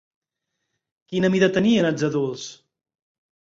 Quina mida tenien els adults?